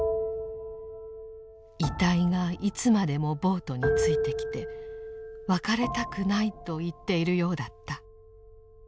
「遺体がいつまでもボートについてきて別れたくないと言っているようだった」。